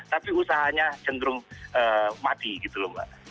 tapi usahanya cenderung mati gitu loh mbak